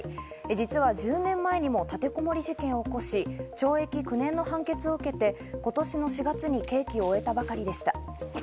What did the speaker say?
実は１０年前にも立てこもり事件を起こし、懲役９年の判決を受けて、今年の４月に刑期を終えたばかりでした。